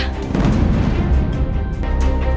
pertama kali saya mencari penyakit